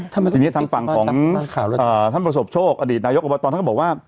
ทีนี้ทางฝั่งของท่านประสบโชคอดีตนายกอบตท่านก็บอกว่า